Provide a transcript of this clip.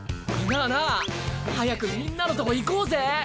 なあなあ早くみんなのとこ行こうぜ。